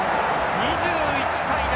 ２１対７。